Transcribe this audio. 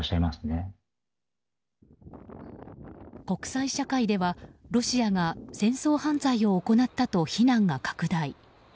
国際社会ではロシアが戦争犯罪を行ったと非難が拡大。